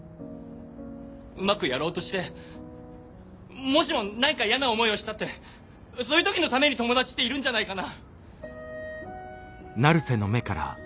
うまくやろうとしてもしも何か嫌な思いをしたってそういう時のために友達っているんじゃないかな。